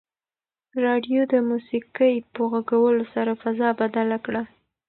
راډیو د موسیقۍ په غږولو سره فضا بدله کړه.